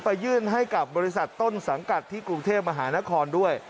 ไปยื่นให้กับบริษัทต้นสังกัดที่กรุงเทพมหานครด้วย